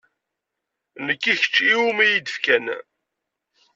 Nekk i kečč i wumi iyi-d-fkan.